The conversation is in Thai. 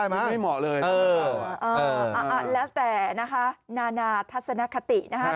แล้วแต่นะฮะนานาทัศนคตินะฮะ